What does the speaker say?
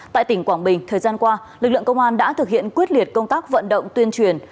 tại tỉnh quảng bình thời gian qua lực lượng công an đã thực hiện quyết liệt công tác vận động tuyên truyền